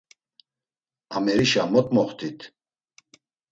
Amerişa mot moxtit?